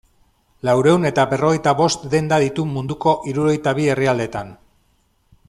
Laurehun eta berrogeita bost denda ditu munduko hirurogeita bi herrialdetan.